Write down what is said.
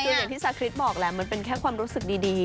คืออย่างที่ชาคริสบอกแหละมันเป็นแค่ความรู้สึกดี